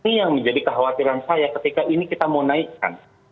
ini yang menjadi kekhawatiran saya ketika ini kita mau naikkan